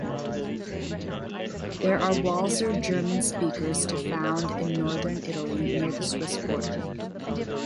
There are Walser German speakers to found in northern Italy near the Swiss border.